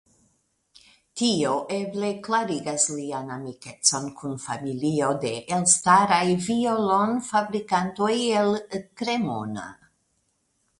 Tio eble klarigas lian amikecon kun familio de elstaraj violonfabrikantoj el Cremona.